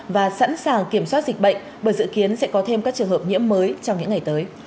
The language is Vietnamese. và sẵn sàng kiểm soát dịch bệnh bởi dự kiến sẽ có thêm các trường hợp nhiễm mới trong những ngày tới